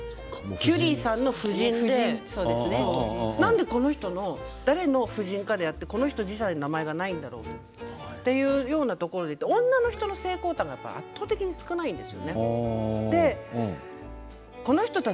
キュリーさんの夫人でなんでこの人の誰の夫人かであってこの人自体に名前がないのかと女の人の成功譚が圧倒的に少ないんです。